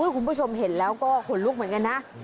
คุณผู้ชมเห็นแล้วก็ขนลุกเหมือนกันนะ